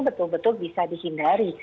betul betul bisa dihindari